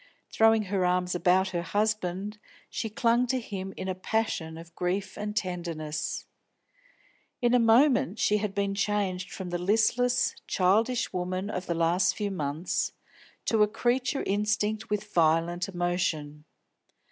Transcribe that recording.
Throwing her arms about her husband, she clung to him in a passion of grief and tenderness. In a moment she had been changed from the listless, childish woman of the last few months to a creature instinct with violent emotion.